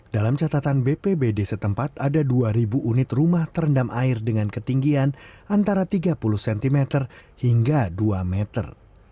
dalam catatan bpbd setempat ada dua ribu unit rumah terendam air dengan ketinggian antara tiga puluh cm hingga dua meter